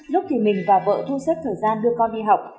lúc thì mình và vợ thu xếp thời gian đưa con đi học